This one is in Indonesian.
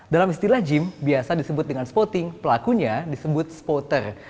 dalam istilah gym biasa disebut dengan spotting pelakunya disebut spotter